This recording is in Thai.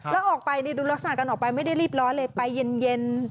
แล้วออกไปดูลักษณะกันไม่ได้รีบร้อนเลย